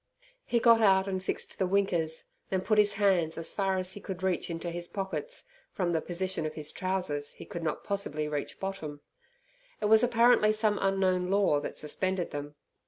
He got out and fixed the winkers, then put his hands as far as he could reach into his pockets from the position of his trousers he could not possibly reach bottom. It was apparently some unknown law that suspended them.